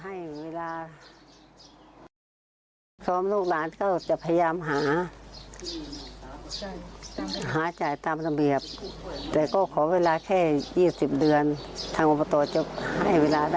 เหลือที่บ้านช่วยเหลือคุณแม่ที่บ้าน